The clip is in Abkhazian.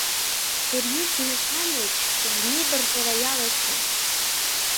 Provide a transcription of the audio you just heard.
Дырмит ду иҳәан еиԥш, рнибарҵәара иалачон.